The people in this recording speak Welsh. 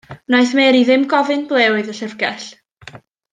Wnaeth Mary ddim gofyn ble roedd y llyfrgell.